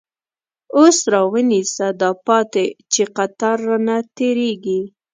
اوس راونیسه داپاتی، چی قطار رانه تير یږی